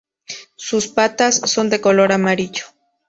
Sus patas son de color amarillo.